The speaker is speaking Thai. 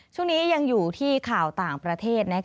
ช่วงนี้ยังอยู่ที่ข่าวต่างประเทศ